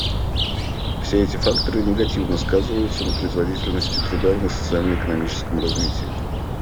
Все эти факторы негативно сказываются на производительности труда и на социально-экономическом развитии.